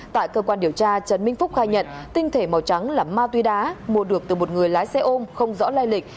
tại cơ quan điều tra trần minh phúc khai nhận tinh thể màu trắng là ma túy đá mua được từ một người lái xe ôm không rõ lai lịch